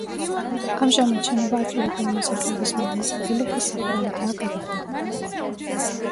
ამჟამად შენობა ადგილობრივი მოსახლეობის მიერ მოწყობილი ხის სახურავითაა გადახურული.